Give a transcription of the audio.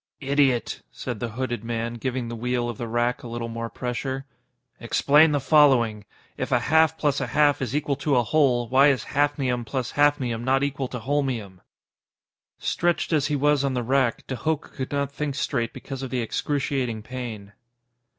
_ _"Idiot," said the hooded man, giving the wheel of the rack a little more pressure, "explain the following: If a half plus a half is equal to a whole, why is halfnium plus halfnium not equal to wholmium?"_ _Stretched as he was on the rack, de Hooch could not think straight because of the excruciating pain.